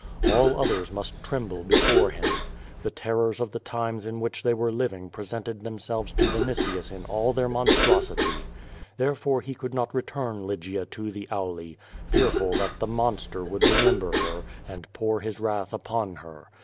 All others must tremble lM?forc him. The terrors of the times in which they were living presented tliemselves to Vinitius in aJl their monstrosity. Therefore he could not return Lygia to the Auli, fearful that tlie monster would remember her, and pour his wrath upon her.